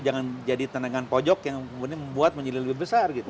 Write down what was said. jangan jadi tenagaan pojok yang membuat menjadi lebih besar